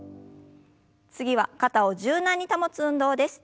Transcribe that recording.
次は肩を柔軟に保つ運動です。